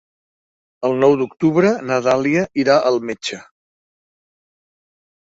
El nou d'octubre na Dàlia irà al metge.